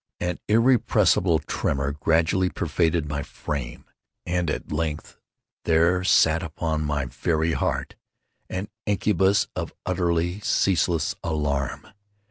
An irrepressible tremor gradually pervaded my frame; and, at length, there sat upon my very heart an incubus of utterly causeless alarm.